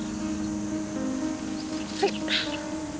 はい。